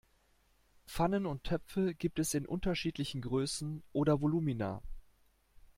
Pfannen und Töpfe gibt es in unterschiedlichen Größen oder Volumina.